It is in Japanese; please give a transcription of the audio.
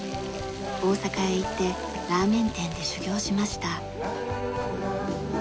大阪へ行ってラーメン店で修業しました。